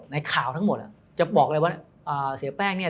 ในข่าวทั้งหมดจะบอกเลยว่าเสียแป้งเนี่ย